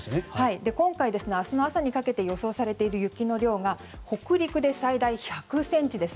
今回、明日の朝にかけて予想されている雪の量が北陸で最大１００ｃｍです。